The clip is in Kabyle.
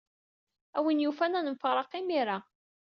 A win yufan ad nemfaraq imir-a.